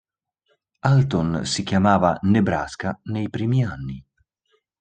Alton si chiamava Nebraska nei primi anni.